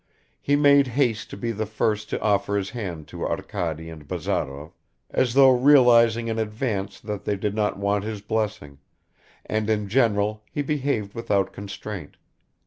He made haste to be the first to offer his hand to Arkady and Bazarov, as though realizing in advance that they did not want his blessing, and in general he behaved without constraint.